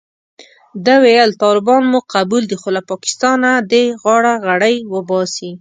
ده ویل طالبان مو قبول دي خو له پاکستانه دې غاړه غړۍ وباسي.